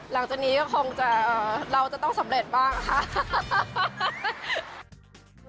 หลังจากนี้ก็คงจะเราจะต้องสำเร็จบ้างค่ะ